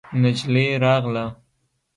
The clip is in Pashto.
نجلۍ راغله.